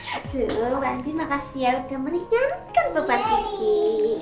aduh mbak din makasih ya udah meringatkan bapak kiki